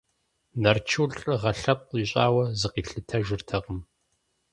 Нарчу лӀыгъэ лъэпкъ ищӀауэ зыкъилъытэжыртэкъым.